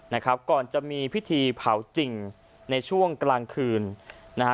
นะครับก่อนจะมีพิธีเผาจริงในช่วงกลางคืนนะฮะ